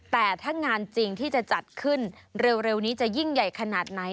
แต่ถ้างานจริงที่จะจัดขึ้นเร็วนี้จะยิ่งใหญ่ขนาดไหน